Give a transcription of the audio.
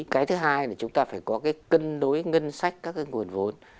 cái thứ hai là chúng ta phải có cái cân đối ngân sách các cái nguồn vốn